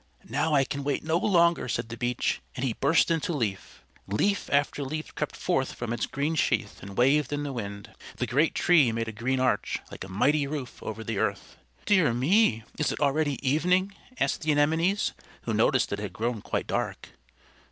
"Now I can wait no longer," said the Beech, and he burst into leaf. Leaf after leaf crept forth from its green sheath and waved in the wind. The great Tree made a green arch, like a mighty roof over the earth. "Dear me, is it already evening?" asked the Anemones, who noticed that it had grown quite dark.